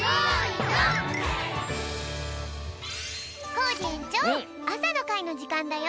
コージえんちょうあさのかいのじかんだよ。